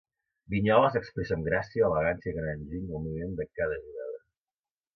Vinyoles expressa amb gràcia, elegància i gran enginy el moviment de cada jugada.